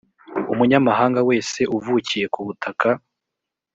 umunyamahanga wese uvukiye ku butaka